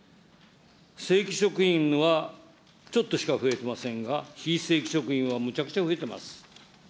正規職員はちょっとしか増えていませんが、非正規職員はむちゃくちゃ増えてます。